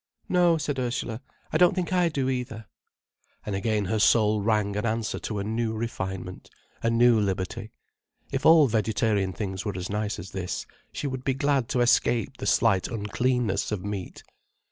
"No," said Ursula, "I don't think I do either." And again her soul rang an answer to a new refinement, a new liberty. If all vegetarian things were as nice as this, she would be glad to escape the slight uncleanness of meat.